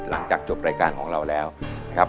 หลังจากจบรายการของเราแล้วนะครับ